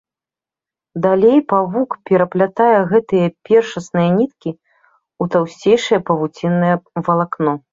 Далей павук пераплятае гэтыя першасныя ніткі ў таўсцейшае павуціннае валакно.